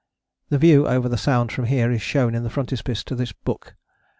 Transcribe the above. The view over the Sound from here is shown in the frontispiece to this book.